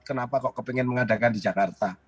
kenapa kok kepingin mengadakan di jakarta